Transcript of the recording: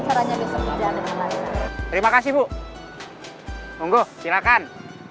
terima kasih banyak semoga acaranya bisa berjalan dengan baik terima kasih bu tunggu silakan